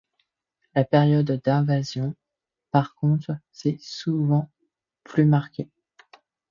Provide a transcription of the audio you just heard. La période d'invasion, par contre, est souvent plus marquée.